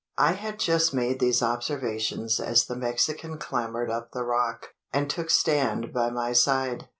I had just made these observations as the Mexican clambered up the rock, and took stand by my side.